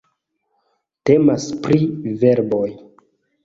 Temas pri verboj.